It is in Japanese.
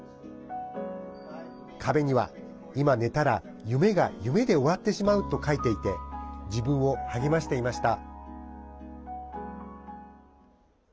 壁には、今、寝たら夢が夢で終わってしまうと書いていて自分を励ましていました。